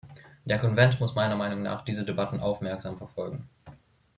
Der Konvent muss meiner Meinung nach diese Debatten aufmerksam verfolgen.